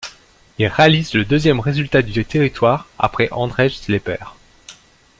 Il réalise le deuxième résultat du territoire, après Andrzej Lepper.